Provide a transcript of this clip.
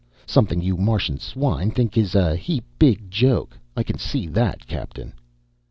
"Something you Martian swine think is a heap big joke. I can see that, captain."